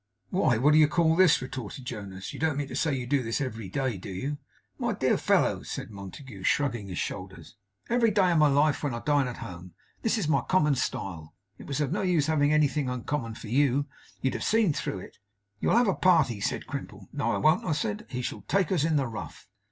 'Why, what do you call this?' retorted Jonas. 'You don't mean to say you do this every day, do you?' 'My dear fellow,' said Montague, shrugging his shoulders, 'every day of my life, when I dine at home. This is my common style. It was of no use having anything uncommon for you. You'd have seen through it. "You'll have a party?" said Crimple. "No, I won't," I said, "he shall take us in the rough!"